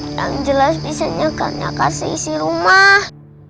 yang jelas bisa nya karena kasih isi rumah